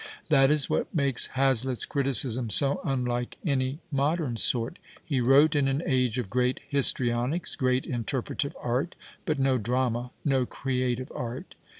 That is what makes Hazlitt's criticism so unlike any modern sort. He WTote in an age of great his trionics, great interpretative art, but no drama, no creative art.